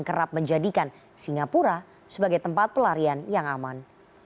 kerap menjadikan singapura sebagai tempat pelarian yang aman